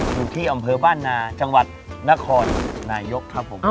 อยู่ที่อำเภอบ้านนาจังหวัดนครนายกครับผม